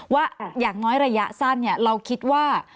ว่าอย่างน้อยระยะสั้นเราคิดว่า